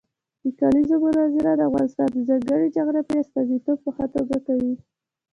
د کلیزو منظره د افغانستان د ځانګړي جغرافیې استازیتوب په ښه توګه کوي.